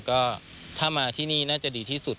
ก็ถ้ามาที่นี่น่าจะดีที่สุด